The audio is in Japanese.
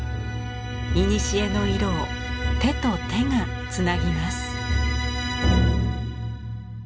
いにしえの色を手と手がつなぎます。